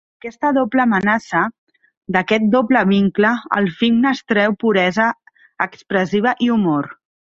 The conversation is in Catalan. D'aquesta doble amenaça, d'aquest doble vincle, el film n'extreu puresa expressiva i humor.